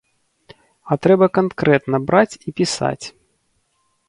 А трэба канкрэтна браць і пісаць.